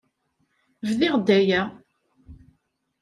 Bdiɣ-d aya.